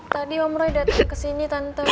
tadi om roy dateng ke sini